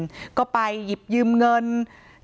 จนสนิทกับเขาหมดแล้วเนี่ยเหมือนเป็นส่วนหนึ่งของครอบครัวเขาไปแล้วอ่ะ